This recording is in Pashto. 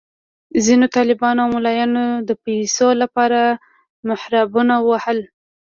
ځینو طالبانو او ملایانو د پیسو لپاره محرابونه وهل.